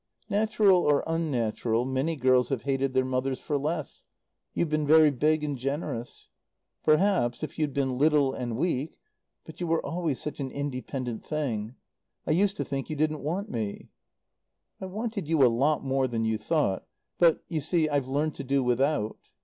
"Natural or unnatural, many girls have hated their mothers for less. You've been very big and generous. "Perhaps if you'd been little and weak but you were always such an independent thing. I used to think you didn't want me." "I wanted you a lot more than you thought. But, you see, I've learned to do without."